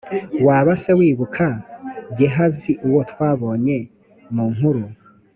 waba se wibuka gehazi uwo twabonye mu nkuru